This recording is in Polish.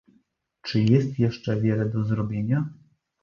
Czy jest jeszcze wiele do zrobienia?